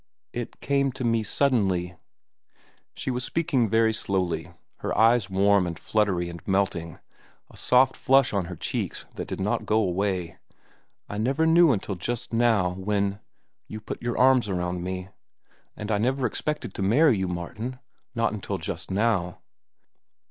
"It came to me suddenly." She was speaking very slowly, her eyes warm and fluttery and melting, a soft flush on her cheeks that did not go away. "I never knew until just now when—you put your arms around me. And I never expected to marry you, Martin, not until just now.